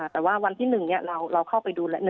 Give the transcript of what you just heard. แต่ว่าวันที่๑เราเข้าไปดูแล้ว